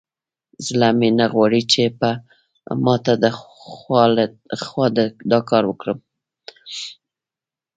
زړه مې نه غواړي چې په ماته خوا دا کار وکړم.